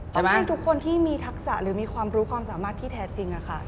ให้ทุกคนที่มีทักษะหรือมีความรู้ความสามารถที่แท้จริงค่ะ